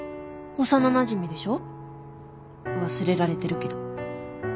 幼なじみでしょ忘れられてるけど。